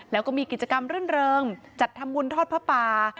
แล้วก็มีกิจกรรมเรื่องเริ่มจัดธรรมวลทอดพระป่า